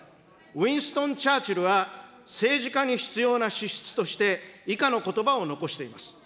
ウィンストン・チャーチルは、政治家に必要な資質として、以下のことばを残しています。